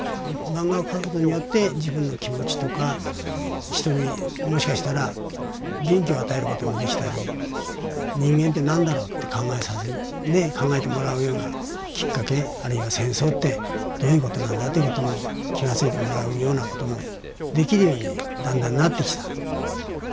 漫画を描くことによって自分の気持ちとか人にもしかしたら元気を与えることもできたり人間って何だろうって考えてもらうようなきっかけあるいは戦争ってどういうことなんだっていうことも気がついてもらうようなこともできるようにだんだんなってきた。